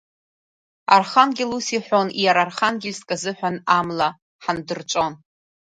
Архангел ус иҳәон иара Архангельск азыҳәан амла ҳандырҵәон.